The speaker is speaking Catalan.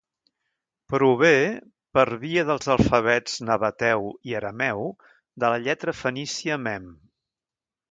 Prové, per via dels alfabets nabateu i arameu, de la lletra fenícia mem.